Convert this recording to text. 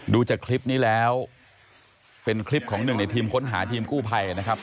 ดูจากคลิปนี้แล้วเป็นคลิปของหนึ่งในทีมค้นหาทีมกู้ภัยนะครับ